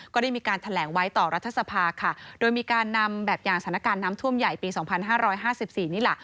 ก็ได้มีการแถลงไว้ต่อรัฐสภาค่ะโดยมีการนำแบบอย่างสถานการณ์น้ำท่วมใหญ่ปีสองพันห้าร้อยห้าสิบสี่นี่แหละ